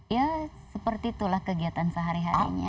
ya seperti itulah kegiatan sehari harinya